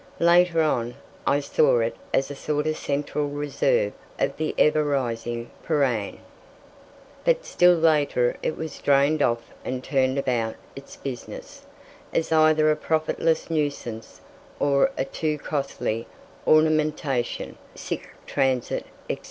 Later on, I saw it as a sort of central reserve of the ever rising Prahran. But still later it was drained off and turned about its business, as either a profitless nuisance, or a too costly ornamentation: sic transit, etc.